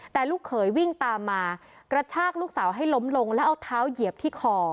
แต่ลูกเขยวิ่งตามมากระชากลูกสาวให้ล้มลงแล้วเอาเท้าเหยียบที่คอ